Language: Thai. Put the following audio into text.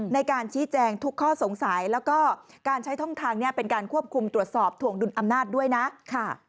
ในการชี้แจงทุกข้อสงสัยแล้วก็การใช้ช่องทางนี้เป็นการควบคุมตรวจสอบถวงดุลอำนาจด้วยนะค่ะ